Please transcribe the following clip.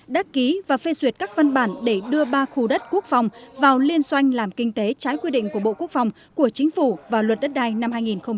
đắc ký và phê duyệt các văn bản để đưa ba khu đất quốc phòng vào liên xoanh làm kinh tế trái quy định của bộ quốc phòng của chính phủ vào luật đất đai năm hai nghìn một mươi ba